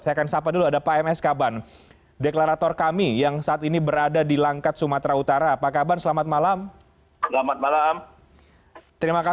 saya akan sapa dulu ada pak msk